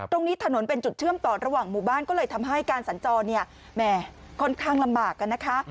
ตรงนี้ถนนเป็นจุดเชื่อมต่อระหว่างหมู่บ้านก็เลยทำให้การสัญจรเนี่ยแหมค่อนข้างลำบากกันนะคะ